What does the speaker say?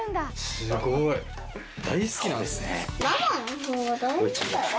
すごい。大好きなんですね。